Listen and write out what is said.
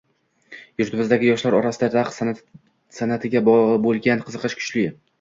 yurtimizdagi yoshlar orasida raqs san’atiga bo‘lgan qiziqish kuchli